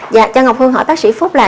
dạ cho ngọc hương hỏi bác sĩ phúc là